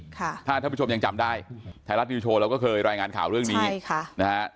ถ้าท่านผู้ชมยังจำได้ไทยรัฐนิวโชว์เราก็เคยรายงานข่าวเรื่องนี้ใช่ค่ะนะฮะ